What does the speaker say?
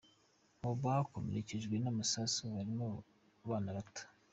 Mu bakomerekejwe n’amasasu harimo abana bato.